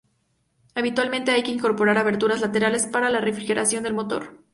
Habitualmente hay que incorporar aberturas laterales para la refrigeración del motor.